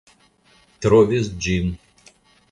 Trovis ĝin .